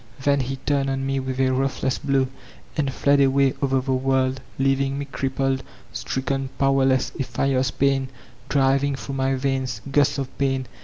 Then he turned on me with a ruthless bk>w, and fled away over the world, leaving me crippled, stricken, powerless, a fierce pain driving through my veins — gusts of pain!